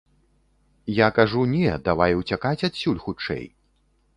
Я кажу, не, давай уцякаць адсюль хутчэй.